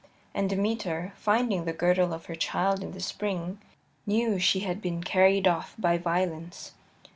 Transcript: And Demeter, finding the girdle of her child in the spring, knew that she had been carried off by violence.